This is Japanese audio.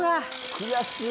悔しい。